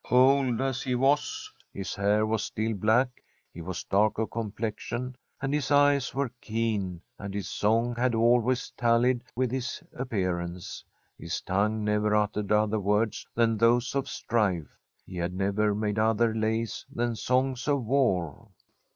Old as he was, his hair was still black, he was dark of complexion, and his eyes were keen, and his song had always tallied with his appearance. His tongue never uttered other words than those of strife ; he had never made other lays than songs of war.